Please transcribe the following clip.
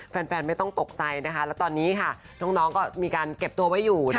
แฟนไม่ต้องตกใจนะคะแล้วตอนนี้ค่ะน้องก็มีการเก็บตัวไว้อยู่